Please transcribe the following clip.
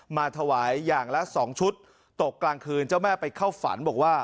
มาถวายอย่างละ๒ชุดตกกลางคืนเจ้าแม่ไปเข้าฝันบอกว่า